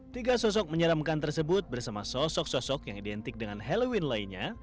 tiga sosok menyeramkan tersebut bersama sosok sosok yang identik dengan halloween lainnya